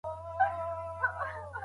هیڅوک د خپلي لور راتلونکی نه خرابوي.